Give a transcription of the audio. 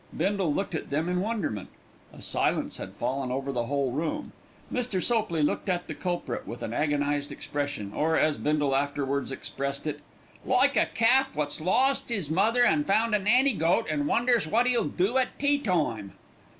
Bindle looked at them in wonderment. A silence had fallen over the whole room. Mr. Sopley looked at the culprit with an agonised expression, or, as Bindle afterwards expressed it, "Like a calf wot's lost 'is mother and found a nanny goat, an' wonders wot 'e'll do at tea time."